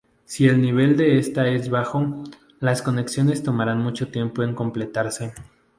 Si el nivel de esta es bajo, las conexiones tomarán mucho tiempo en completarse.